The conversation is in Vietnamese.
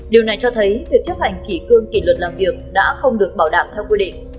điều này cho thấy việc chấp hành kỷ cương kỷ luật làm việc đã không được bảo đảm theo quy định